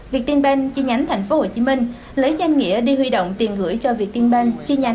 việt tiên bên chi nhánh tp hcm lấy danh nghĩa đi huy động tiền gửi cho việt tiên bên